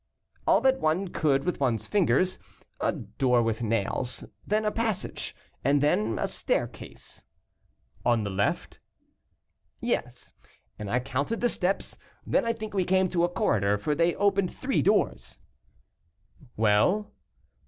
"All that one could with one's fingers, a door with nails, then a passage, and then a staircase " "On the left?" "Yes; and I counted the steps. Then I think we came to a corridor, for they opened three doors." "Well?"